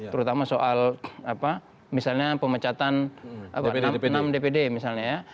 terutama soal misalnya pemecatan enam dpd misalnya ya